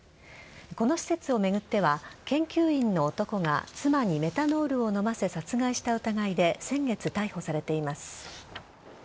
この施設を巡っては研究員の男が妻にメタノールを飲ませ殺害した疑いで先月、逮捕されています。